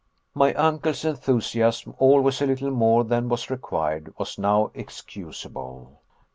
My uncle's enthusiasm, always a little more than was required, was now excusable.